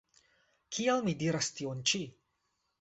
Kial mi diras tion ĉi?